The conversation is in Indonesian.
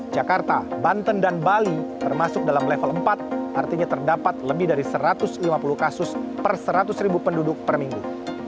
jakarta banten dan bali termasuk dalam level empat artinya terdapat lebih dari satu ratus lima puluh kasus per seratus ribu penduduk per minggu